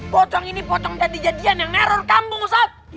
pocong ini pocong jadi jadian yang error kamu ustadz